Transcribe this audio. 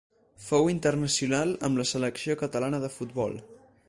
Fou internacional amb la selecció catalana de futbol.